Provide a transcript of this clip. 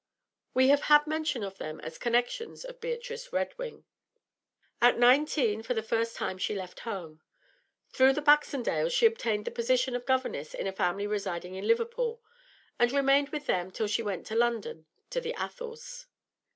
We have had mention of them as connections of Beatrice Redwing. At nineteen she for the first time left home. Through the Baxendales she obtained the position of governess in a family residing in Liverpool, and remained with them till she went to London, to the Athels.